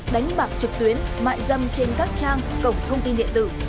đánh bạc trực tuyến mại dâm trên các trang cổng thông tin điện tử